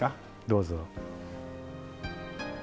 どうぞ。